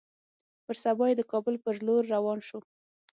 پر سبا يې د کابل پر لور روان سو.